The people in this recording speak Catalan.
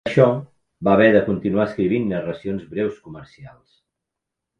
Per això, va haver de continuar escrivint narracions breus comercials.